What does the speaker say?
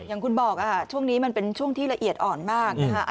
อย่างคุณบอกช่วงนี้มันเป็นช่วงที่ละเอียดอ่อนมากนะคะ